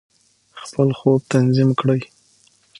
خپل خوب تنظیم کړئ.